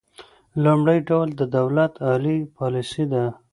لومړی ډول د دولت عالي پالیسي ده